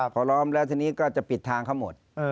พอล้อมแล้วทีนี้ก็จะปิดทางเขาหมด